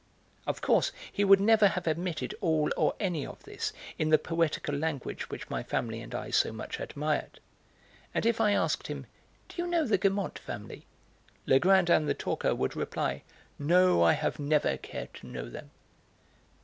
Of course he would never have admitted all or any of this in the poetical language which my family and I so much admired. And if I asked him, "Do you know the Guermantes family?" Legrandin the talker would reply, "No, I have never cared to know them."